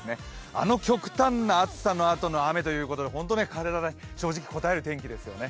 あの極端な暑さのあとの雨ということで本当に体に正直こたえる天気ですよね。